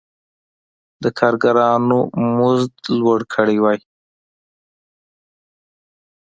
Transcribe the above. د کارګرانو مزد لوړ کړی وای.